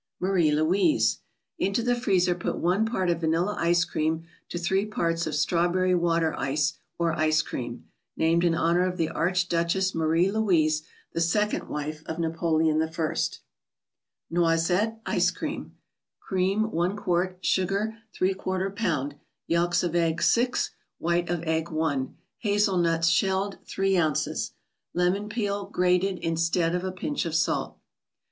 MARIE LOUISE.—Into the freezer put one part of vanilla ice cream to three parts of strawberry water ice, or ice cream. (Named in honor of the Arch duchess Marie Louise, the second wife of Napoleon I.) ji toteette 9!ce^Creani. Cream, 1 qt. ; Sugar, l A lb.; Yelks of eggs, 6 ; White of egg. 1 ; Hazel nuts (shelled). 3 OZ. ; Lemon peel, grated, instead of a pinch of salt.